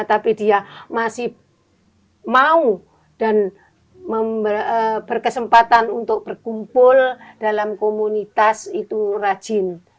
tapi dia masih mau dan berkesempatan untuk berkumpul dalam komunitas itu rajin